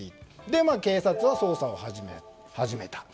で、警察は捜査を始めた。